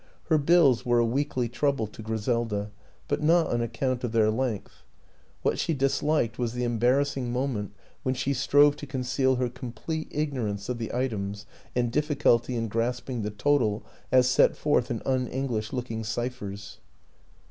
Her bills were a weekly trouble to Griselda but not on account of their length; what she disliked was the embarrassing moment when she strove to conceal her complete ignorance of the items and difficulty in grasping the total as set forth in un English looking ciphers.